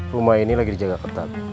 rumah ini lagi dijaga ketat